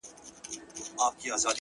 o دومره حيا مه كوه مړ به مي كړې،